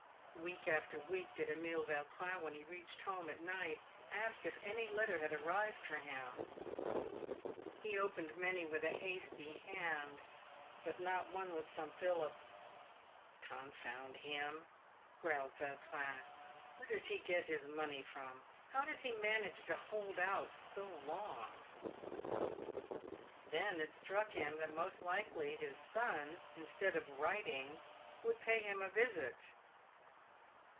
Week after week did Emile Yautrin, when he reached home at night, ask if any letter had arrived for him. He opened many with a hasty hand, but not one was from Philip. " Confound him!" growled Yautrin, " where does he get his money from ? How does he manage to hold out so long?" Then it struck him that most likely his son, instead of writing, would pay him a visit.